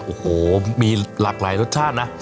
โอ้โหมีหลากหลายรสชาตินะ